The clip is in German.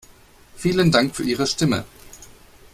Vielen Dank für Ihre Stimme.